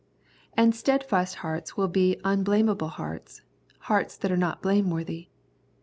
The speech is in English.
And steadfast hearts will be " unblame able" hearts, hearts that are not blame worthy.